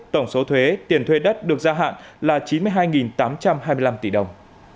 tổng số thuế tiền thuê đất được gia hạn là chín mươi hai tám trăm hai mươi năm tỷ đồng